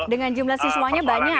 dengan jumlah siswanya banyak